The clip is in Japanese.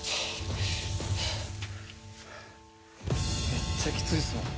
めっちゃきついっすもん。